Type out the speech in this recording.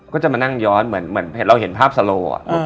ก็จะมานั่งย้อนเหมือนเราเห็นภาพสโล